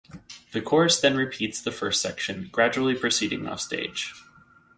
The chorus then repeats the first section, gradually proceeding offstage.